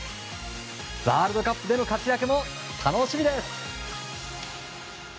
ワールドカップでの活躍が楽しみです。